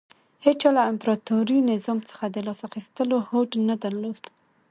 هېچا له امپراتوري نظام څخه د لاس اخیستو هوډ نه درلود